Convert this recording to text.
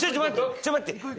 ちょっと待って。